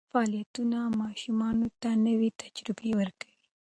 فعالیتونه ماشوم ته نوې تجربې ورکوي.